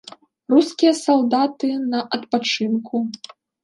Рускія салдаты на адпачынку.